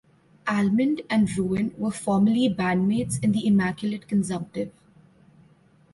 Almond and Ruin were formerly bandmates in the Immaculate Consumptive.